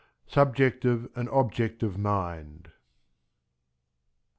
SUBJECTIVE AND OBJECTIVE MIND.